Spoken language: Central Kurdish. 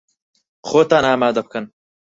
خۆتان ئامادە بکەن!